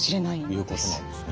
いうことなんですね。